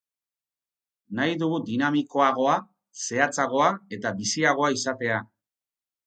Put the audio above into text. Nahi dugu dinamikoagoa, zehatzagoa eta biziagoa izatea.